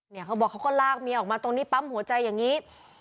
เขาบอกเขาก็ลากเมียออกมาตรงนี้ปั๊มหัวใจอย่างนี้